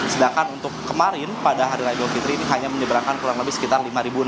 sedangkan untuk kemarin pada hari raya idul fitri ini hanya menyeberangkan kurang lebih sekitar lima enam ratus